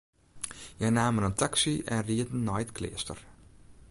Hja namen in taksy en rieden nei it kleaster.